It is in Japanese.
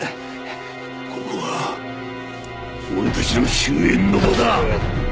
ここが俺たちの終焉の場だ！